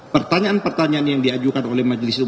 pertanyaan pertanyaan yang diajukan oleh majelis itu